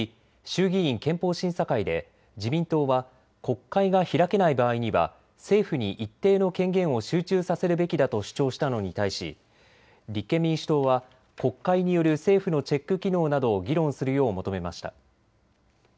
衆議院憲法審査会で自民党は国会が開けない場合には政府に一定の権限を集中させるべきだと主張したのに対し立憲民主党は国会による政府のチェック機能などを議論するよう求めました。